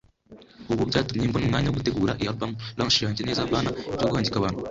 “Ubu byatumye mbona umwanya wo gutegura iyi album launch yanjye neza hapana ibyo guhangika abantu”